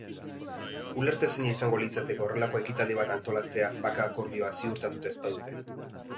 Ulertezina izango litzateke horrelako ekitaldi bat antolatzea bake akordioa ziurtatuta ez badute.